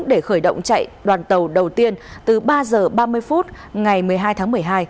để khởi động chạy đoàn tàu đầu tiên từ ba h ba mươi phút ngày một mươi hai tháng một mươi hai